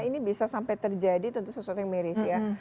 ini bisa sampai terjadi tentu sesuatu yang miris ya